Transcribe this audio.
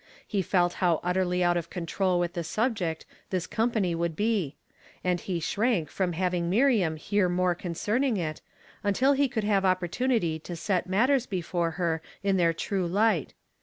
He felt how utterly out of accord with the subject this company would be ; and he shrank from having Miriam hear more concerning it, until he could have opportunity to set matters before her in their true light.